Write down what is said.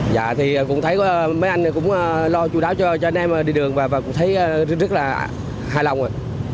dạ thì cũng thấy mấy anh cũng lo chú đáo cho anh em đi đường và cũng thấy rất là hài lòng rồi